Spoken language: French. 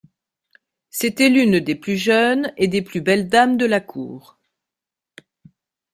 C’était l’une des plus jeunes et des plus belles dame de la cour.